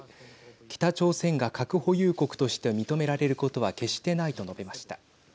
北朝鮮が核保有国として認められることは決してないと述べました。